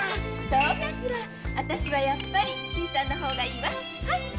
そうかしら私はやっぱり新さんの方がいいわ。